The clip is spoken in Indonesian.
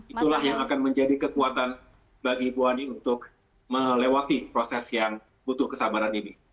itulah yang akan menjadi kekuatan bagi ibu ani untuk melewati proses yang butuh kesabaran ini